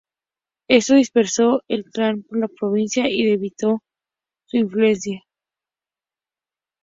Esto dispersó al clan por la provincia y debilitó su influencia.